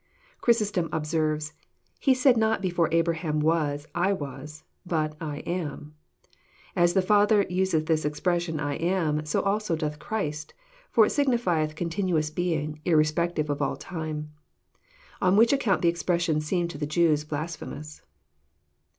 Chrysostom observes: "He said not before Abraham was, I was, but, I AM. As the Father useth this expression I AM, so also doth Christ, for it signiflcth continuous being, irrespective of all time. On which account the expression jseemed to the Jews blasphemous.'